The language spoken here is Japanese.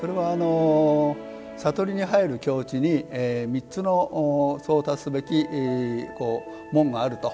それは悟りに入る境地に３つの到達すべき門があると。